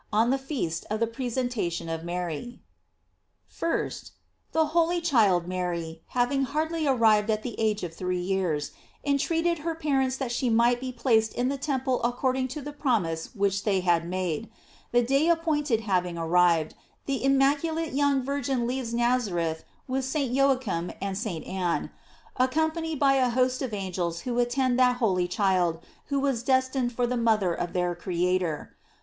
On the Feast of the Presentation of Mary. 1st. THE holy child Mary, having hardly arrived at the age of three years, entreated her parents that she might be placed in the temple according to the promise which they had made. The day appointed having arrived, the immaculate young Virgin leaves Nazareth with St. Joachim and St. Anne, accompanied by a host of angels who at tend that holy child who was destined for the mother of their Creator.